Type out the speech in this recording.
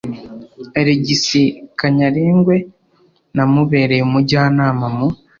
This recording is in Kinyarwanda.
alegisi kanyarengwe. namubereye umujyanama mu